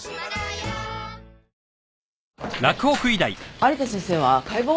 有田先生は解剖？